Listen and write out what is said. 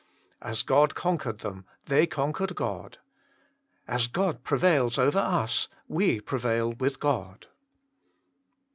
As God conquered them, they conquered God. As God prevails over us, we prevail with God.